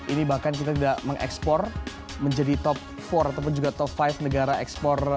ini bahkan kita tidak mengekspor menjadi top empat ataupun juga top lima negara ekspor